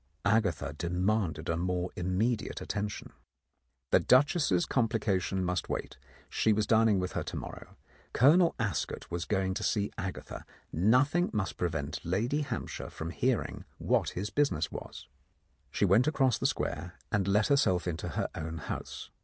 Agatha demanded a more immediate attention. The duchess's complication must wait : she was dining with her to morrow. Colonel Ascot was going to see Agatha : nothing must prevent Lady Hamp shire from hearing what his business was. She went across the Square, and let herself into her own house.